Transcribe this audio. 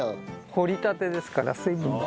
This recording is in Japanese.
掘りたてですから水分が。